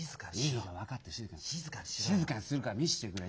静かにするから見してくれ。